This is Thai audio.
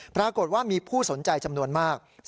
ปรากฏว่ามีผู้สนใจจำนวนมาก